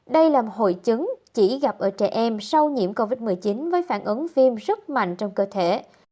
đây là một hội chứng chỉ gặp ở trẻ em sau nhiễm covid một mươi chín với phản ứng phim rất mạnh trong cơ thể